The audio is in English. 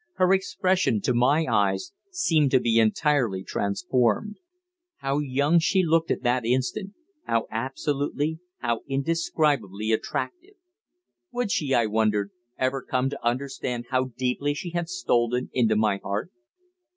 Her expression, to my eyes, seemed to be entirely transformed. How young she looked at that instant, how absolutely, how indescribably attractive! Would she, I wondered, ever come to understand how deeply she had stolen into my heart?